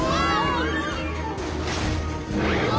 うわ！